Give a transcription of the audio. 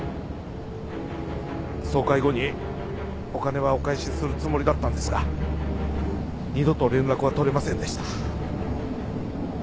総会後にお金はお返しするつもりだったんですが二度と連絡は取れませんでした